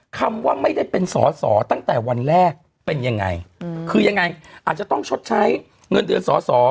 คำว่าไม่ได้เป็นสอสอตั้งแต่วันแรกเป็นยังไงคือยังไงอาจจะต้องชดใช้เงินเดือนสอสอ